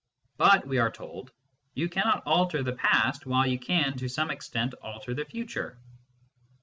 " But/ we are told, " you cannot alter the past, while you can to some extent alter the future."